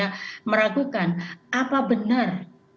yang diperlakukan apa benar